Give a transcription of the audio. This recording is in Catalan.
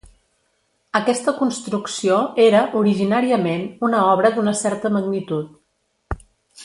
Aquesta construcció era, originàriament, una obra d'una certa magnitud.